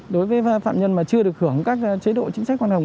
đối với phạm nhân mà chưa được hưởng các chế độ chính sách quan trọng